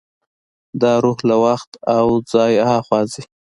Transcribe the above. دا روح له وخت او ځای هاخوا ځي.